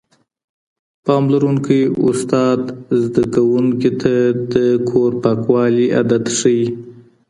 پاملرونکی استاد زده کوونکو ته د کور پاکوالي عادت ښووي.